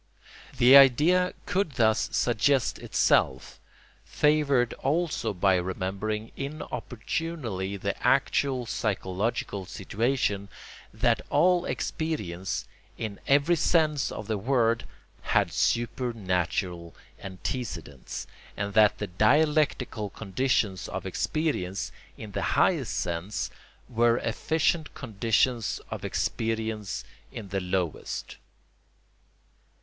The idea could thus suggest itself—favoured also by remembering inopportunely the actual psychological situation—that all experience, in every sense of the word, had supernatural antecedents, and that the dialectical conditions of experience, in the highest sense, were efficient conditions of experience in the lowest.